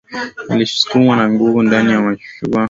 alisukumwa kwa nguvu ndani ya mashua namba sita